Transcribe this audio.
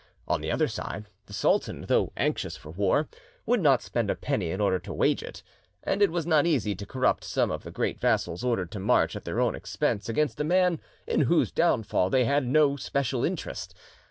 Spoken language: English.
On the other side, the sultan, though anxious for war, would not spend a penny in order to wage it; and it was not easy to corrupt some of the great vassals ordered to march at their own expense against a man in whose downfall they had no special interest.